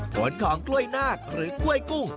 ผลของกล้วยนาคหรือกล้วยกุ้ง